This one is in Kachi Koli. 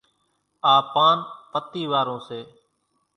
آ پانَ پتِي وارون سي۔